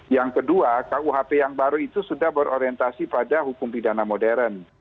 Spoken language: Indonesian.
yang kedua kuhp yang baru itu sudah berorientasi pada hukum pidana modern